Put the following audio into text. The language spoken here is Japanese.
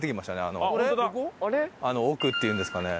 あの奥っていうんですかね。